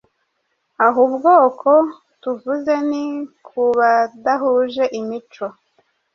Aha ubwoko tuvuze ni kubadahuje imico